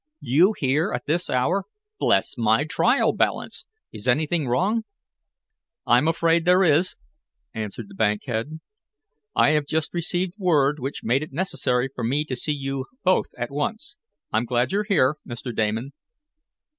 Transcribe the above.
You here at this hour? Bless my trial balance! Is anything wrong? "I'm afraid there is," answered the bank head. "I have just received word which made it necessary for me to see you both at once. I'm glad you're here, Mr. Damon."